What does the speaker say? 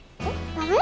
ダメ？